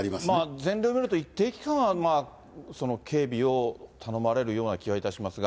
前例を見ると、一定期間は警備を頼まれるような気がいたしますが。